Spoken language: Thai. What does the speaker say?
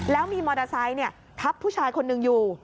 แล้วมีมอเตอร์ไซค์ทับผู้ชายคนหนึ่งอยู่